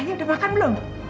ayah udah makan belum